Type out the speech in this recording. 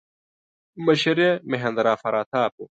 مشر یې مهیندراپراتاپ و.